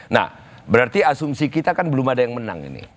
nah berarti asumsi kita kan belum ada yang menang ini